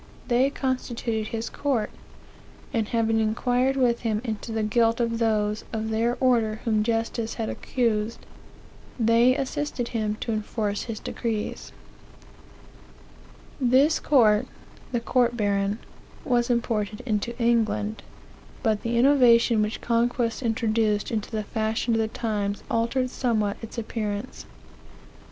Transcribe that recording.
They constituted his court; and having inquired with him into the guilt of those of their order whom justice had accused, they assisted him to enforce his decrees. "This court (the court baron) was imported into England; but the innovation which conquest introduced into the fashion of the times altered somewhat its appearance.